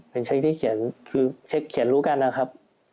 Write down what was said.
เป็นเช็คที่เขียนคือเช็คเขียนรู้กันนะครับ